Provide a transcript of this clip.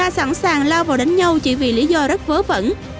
sẵn sàng lao vào đánh nhau chỉ vì lý do rất vớ phẫn